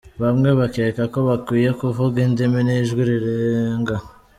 Bamwe bakeka ko bakwiye kuvuga indimi n’ijwi rirenga.